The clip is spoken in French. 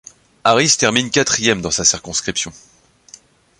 Harris termine quatrième dans sa circonscription.